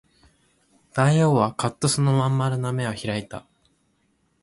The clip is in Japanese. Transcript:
大王はかっとその真ん丸の眼を開いた